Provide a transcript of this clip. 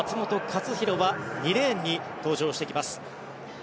克央は２レーンに登場してきます。